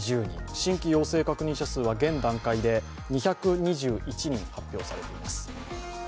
新規陽性確認者数は現段階で２２１人、発表されています。